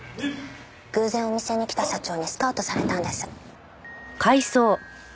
偶然お店に来た社長にスカウトされたんです。